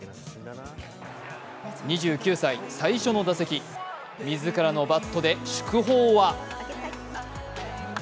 ２９歳最初の打席、自らのバットで祝砲は？